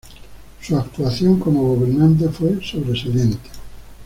Su actuación como gobernante fue sobresaliente.